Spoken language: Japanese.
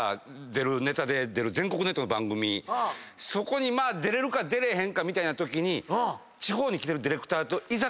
そこにまあ出れるか出れへんかみたいなときに地方に来てる。